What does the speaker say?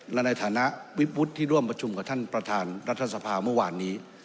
และในฐานะวิบวุฒิที่ร่วมประชุมกับท่านประธานรัฐสภาเมื่อวานนี้